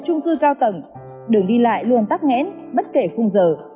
trong trung cư cao tầng đường đi lại luôn tắc nghẽn bất kể khung giờ